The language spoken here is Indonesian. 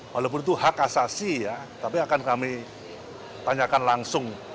walaupun itu hak asasi ya tapi akan kami tanyakan langsung